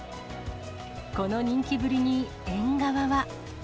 この人気ぶりに、園側は。